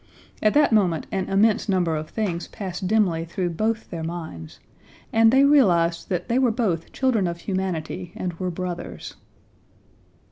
At that moment an immense number of things passed dimly through both their minds, and they realized that they were both children of humanity and were brothers.